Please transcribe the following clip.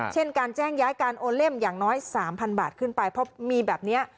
เช่นการแจ้งย้ายการโอเล่มอย่างน้อย๓๐๐บาทขึ้นไปเพราะมีแบบนี้